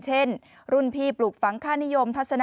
เช่นรุ่นพี่ปลูกฝังค่านิยมทัศนะ